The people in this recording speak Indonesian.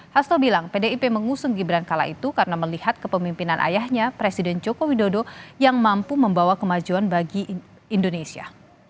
hasto bilang pdip mengusung gibran kala itu karena melihat kepemimpinan ayahnya presiden joko widodo yang mampu membawa kemajuan bagi indonesia